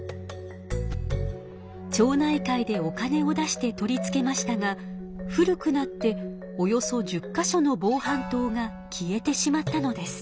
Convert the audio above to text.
町内会でお金を出して取り付けましたが古くなっておよそ１０か所の防犯灯が消えてしまったのです。